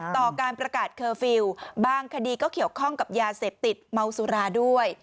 ต่อการประกาศเคอร์ฟิลล์บางคดีก็เกี่ยวข้องกับยาเสพติดเมาสุราด้วย